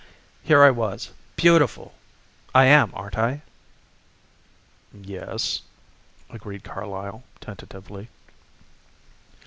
Here I was beautiful I am, aren't I?" "Yes," agreed Carlyle tentatively.